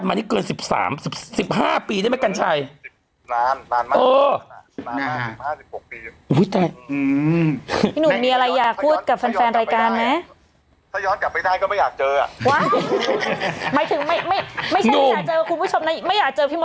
พี่เรียกว่ารายการอื่นครับ๗ปีอ่ะ